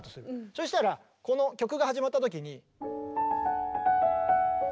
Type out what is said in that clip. そしたらこの曲が始まった時に。